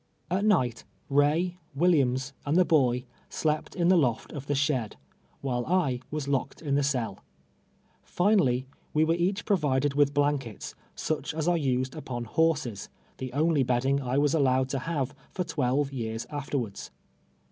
At night, Ray, Williams, and the boy, slept iu the loft of the shed, while I vras locked i^i the cell. Fi nally Ave were each provided with blankets, such as are used upon horses — the only bedding I was allow ed to have for twelve years afterwards.